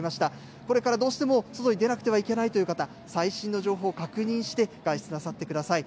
これからどうしても外に出なくてはいけないという方、最新の情報を確認して外出なさってください。